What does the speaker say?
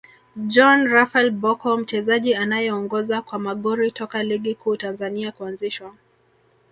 John Raphael Bocco Mchezaji anayeongoza kwa magori toka ligi kuu Tanzania kuanzishwa